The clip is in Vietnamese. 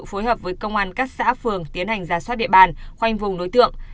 phối hợp với công an các xã phường tiến hành giả soát địa bàn khoanh vùng đối tượng